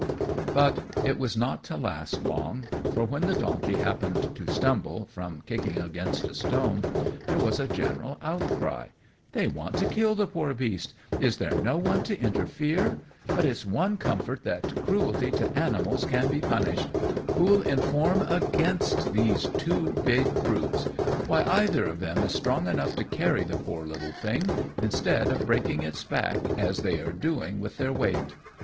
But it was not to last long, for when the donkey happened to stumble, from kicking against a stone, there was a general outcry: "They want to kill the poor beast. Is there no one to interfere? But it's one comfort that cruelty to animals can be punished. Who'll inform against these two big brutes? Why either of them is strong enough to carry the poor little thing, instead of breaking its back, as they are doing with their weight."